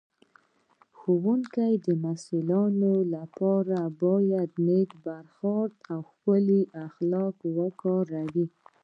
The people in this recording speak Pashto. ښوونکی د محصلینو سره باید نېک برخورد او ښکلي اخلاق وکاروي